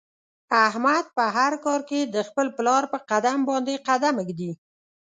احمد په هر کار کې د خپل پلار په قدم باندې قدم ږدي.